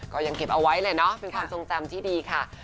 ก็ยังเก็บเอาไว้เลยเนาะเป็นความทรงจำที่ดีค่ะ